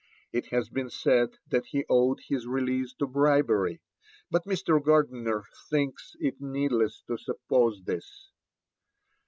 It has been said that he owed his release to bribery, but Mr. Gardiner thinks it needless to suppose this.